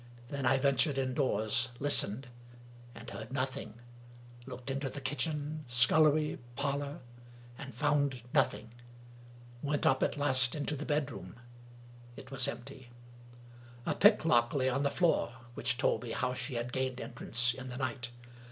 Then I ventured indoors — listened, and heard nothing — looked into the kitchen, scullery, parlor, and found nothing — went up at last into the bedroom. It was empty. A picklock lay on the floor, which told me how she had gained entrance in the night.